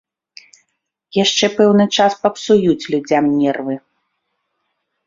Яшчэ пэўны час папсуюць людзям нервы.